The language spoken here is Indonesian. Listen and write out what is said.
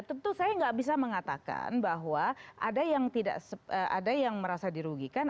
tentu saya tidak bisa mengatakan bahwa ada yang merasa dirugikan